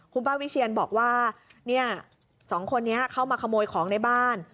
คุณป้าวิเชียนบอกว่าสองคนนี้เข้ามาขโมยของในบ้าน